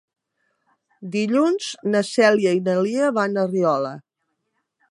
Dilluns na Cèlia i na Lia van a Riola.